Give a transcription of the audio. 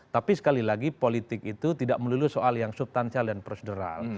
tapi sekali lagi politik itu tidak melulu soal yang subtansial dan prosedural